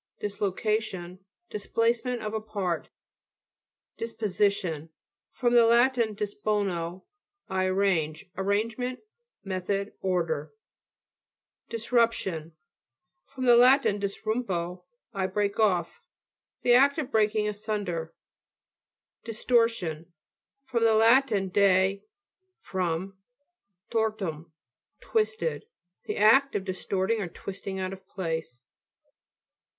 DISLOCATION Displacement of a part. DISPOSITION fr. lat dispono, I arrange. Arrangement, method, order. DISRUPTION fr. lat disrumpo, I break off. The act of breaking asunder. DISTORTION fr. lat. de, from, tor turn, twisted. The act of distorting or twisting out of place.